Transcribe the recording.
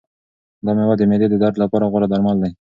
دا مېوه د معدې د درد لپاره غوره درمل دی.